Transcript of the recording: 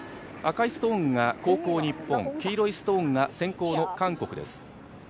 赤いストーンが後攻・日本、黄色いストーンが先攻の韓国です。